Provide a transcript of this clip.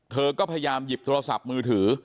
เธอก็พยายามหยิบโทรศัพท์มือถือ